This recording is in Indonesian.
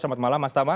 selamat malam mas tama